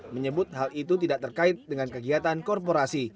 menyebut hal itu tidak terkait dengan kegiatan korporasi